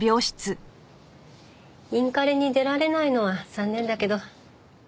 インカレに出られないのは残念だけど。